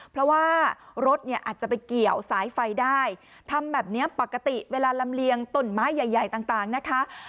เพราะว่ารถเนี่ยอาจจะไปเกี่ยวสายไฟได้ทำแบบนี้ปกติเวลาลำเลียงต้นไม้ใหญ่ต่างนะคะ